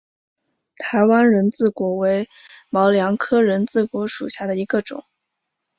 台湾人字果为毛茛科人字果属下的一个种。